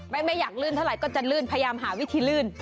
ไม่อยากลื่นเท่าไหร่ก็จะลื่นพยายามหาวิธีลื่น